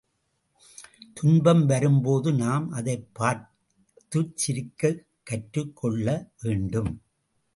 துன்பம் வரும்போது நாம் அதைப் பார்த்துச் சிரிக்கக் கற்றுக் கொள்ளவேண்டும்.